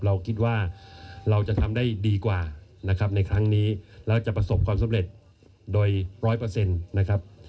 เราคิดว่าเราจะทำได้ดีกว่านะครับในครั้งนี้แล้วจะประสบความสำเร็จโดยร้อยเปอร์เซ็นต์นะครับ